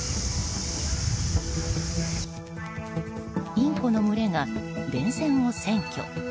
インコの群れが電線を占拠。